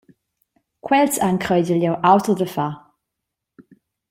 Quels han creigel jeu auter da far.